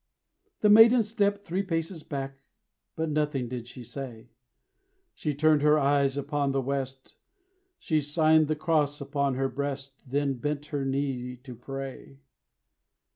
The maiden stepp'd three paces back, But nothing did she say She turned her eyes upon the west, She signed the cross upon her breast, Then bent her knee to pray.